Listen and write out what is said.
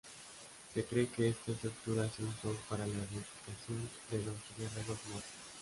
Se cree que esta estructura se usó para la deificación de los guerreros muertos.